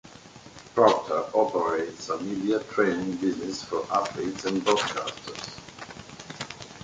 Proctor operates a media training business for athletes and broadcasters.